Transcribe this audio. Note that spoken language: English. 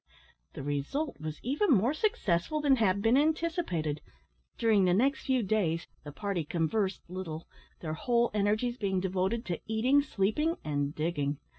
The result was even more successful than had been anticipated. During the next few days the party conversed little; their whole energies being devoted to eating, sleeping, and digging.